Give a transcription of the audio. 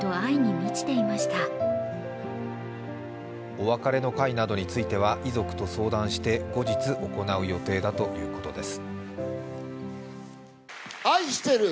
お別れの会などについては遺族と相談して後日、行う予定だということです。